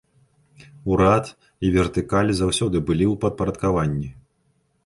Урад і вертыкаль заўсёды былі ў падпарадкаванні.